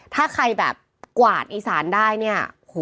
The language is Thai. ถ้าใครกวาดอิสานได้